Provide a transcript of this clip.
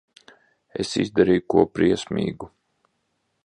Es izdarīju ko briesmīgu.